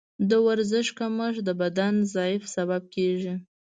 د ورزش کمښت د بدن ضعف سبب کېږي.